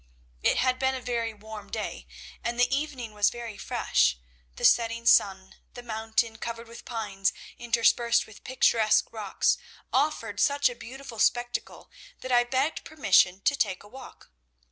It had been a very warm day, and the evening was very fresh. The setting sun, the mountain covered with pines interspersed with picturesque rocks offered such a beautiful spectacle that I begged permission to take a walk.